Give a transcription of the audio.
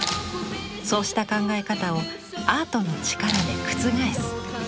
そうした考え方をアートの力で覆す。